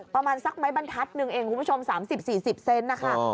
ประมาณสักไม้บรรทัศนึงเองคุณผู้ชม๓๐๔๐เซนต์นะคะ